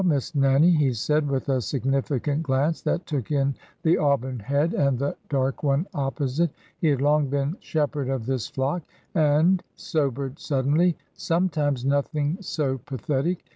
Miss Nannie," he said, with a significant glance that took in the auburn head and the dark one opposite~he had long been shepherd of this flock ;'' and "—sobered suddenly—'' sometimes nothing so pathetic.